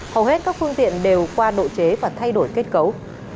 hầu hết các phương tiện đều qua độ chế và thay đổi kết cấu